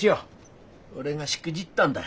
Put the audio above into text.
俺がしくじったんだ。